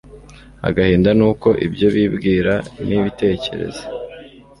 agahinda nuko ibyo bibwira nibitekerezo